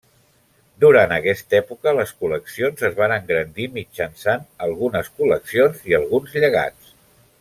Durant aquesta època les col·leccions es van engrandir mitjançant algunes col·leccions i alguns llegats.